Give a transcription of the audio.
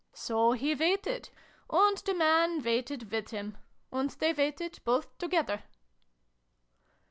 So he waited. And the Man waited with him. And they waited both together."